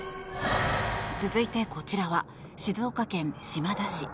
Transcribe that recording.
続いて、こちらは静岡県島田市。